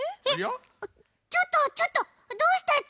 ちょっとちょっとどうしたち？